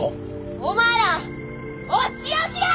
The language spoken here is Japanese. お前らお仕置きだー！！